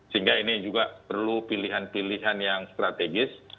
sehingga ini juga perlu pilihan pilihan yang strategis